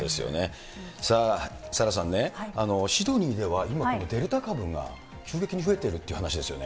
さあ、サラさんね、シドニーでは今、このデルタ株が急激に増えているって話ですよね。